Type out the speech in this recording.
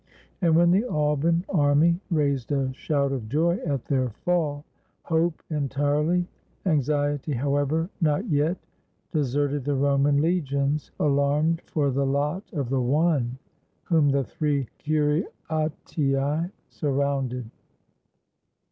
And when the Alban army raised a shout of joy at their fall, hope entirely, anxiety, however, not yet, deserted the Roman le gions, alarmed for the lot of the one whom the three Cu riatii surrounded.